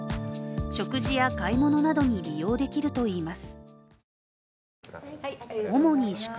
食事や買い物などに利用できるといいます。